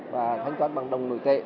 và thanh toán bằng đồng nội tệ